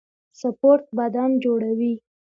سپورټ بدن جوړوي